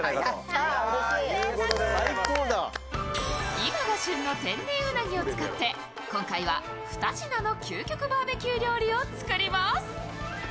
今が旬の天然うなぎを使って、今回は２品の究極バーベキュー料理を作ります。